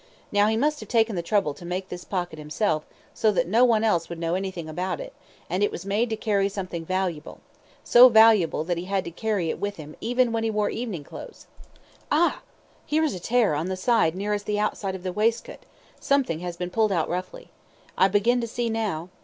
Now he must have taken the trouble to make this pocket himself, so that no one else would know anything about it, and it was made to carry something valuable so valuable that he had to carry it with him even when he wore evening clothes. Ah! here's a tear on the side nearest the outside of the waistcoat; something has been pulled out roughly. I begin to see now.